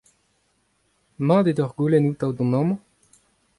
Mat eo deoc'h goulenn outañ dont amañ ?